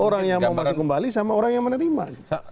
orang yang mau maju kembali sama orang yang menerima